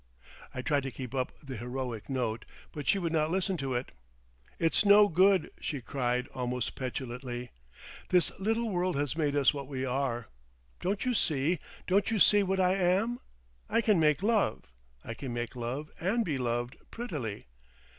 I tried to keep up the heroic note, but she would not listen to it. "It's no good," she cried almost petulantly. "This little world has made us what we are. Don't you see—don't you see what I am? I can make love. I can make love and be loved, prettily.